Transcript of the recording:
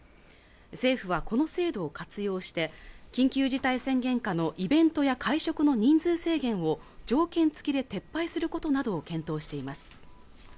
政府はこの制度を活用して緊急事態宣言下のイベントや会食の人数制限を条件付きで撤廃することなどを検討しています